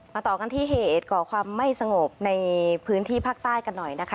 ต่อกันที่เหตุก่อความไม่สงบในพื้นที่ภาคใต้กันหน่อยนะคะ